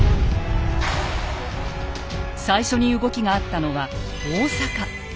最初に動きがあったのは大阪。